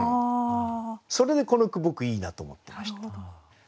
それでこの句僕いいなと思ってました。